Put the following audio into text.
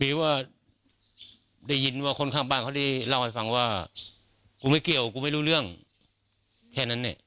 หรือว่าได้ยินว่าคนข้างบ้านเขาได้เล่าให้ฟังว่ากูไม่เกี่ยวกูไม่รู้เรื่องแค่นั้นเนี่ย